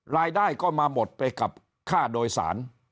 รายได้ก็มาหมดไปกับค่าโดยสาร